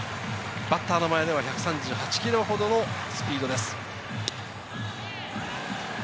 バッターの前では１３８キロほどのスピードです。